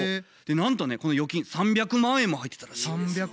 なんとねこの預金３００万円も入ってたらしいんですよ。